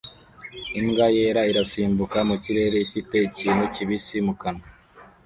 Imbwa yera irasimbuka mu kirere ifite ikintu kibisi mu kanwa